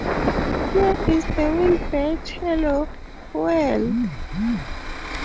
Here is the Winbatch Hello, World!